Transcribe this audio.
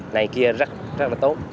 này kia rất là tốt